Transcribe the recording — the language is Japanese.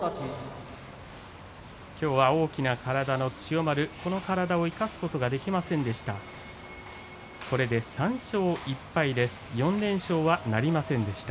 きょうは大きな体の千代丸体を生かすことができませんでした。